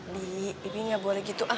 bi ibi gak boleh gitu ah